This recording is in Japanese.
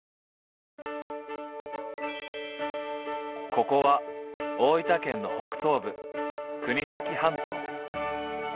ここは大分県の北東部国東半島。